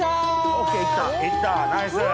ＯＫいったいったナイス！